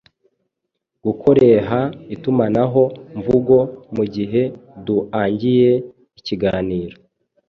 gukoreha itumanaho mvugo mugihe duangiye ikiganiro